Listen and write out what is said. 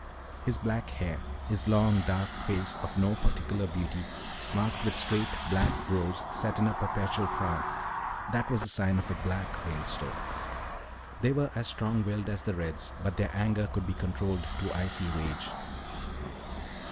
His black hair, his long, dark face of no particular beauty marked with straight, black brows set in a perpetual frown that was the sign of a "Black" Ralestone. They were as strong willed as the "Reds," but their anger could be controlled to icy rage.